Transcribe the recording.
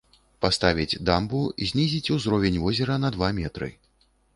Паставіць дамбу, знізіць узровень возера на два метры.